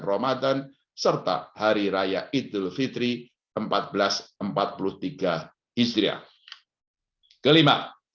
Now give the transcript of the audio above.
ramadan serta hari raya idul fitri seribu empat ratus empat puluh tiga hijriah kelima